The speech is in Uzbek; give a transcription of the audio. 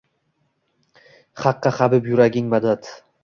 Haqqa habib yuraging – madad